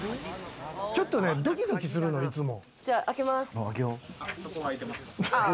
ちょっとね、ドキドキするのいつも。